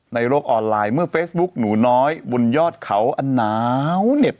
ในโลกออนไลน์เมื่อเฟซบุ๊กหนูน้อยบนยอดเขาอันหนาวเหน็บ